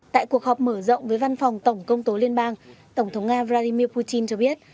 tại cuộc họp mở rộng với văn phòng tổng công tố liên bang tổng thống nga vladimir putin cho biết